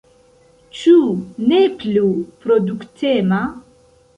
Ĉu ne plu produktema?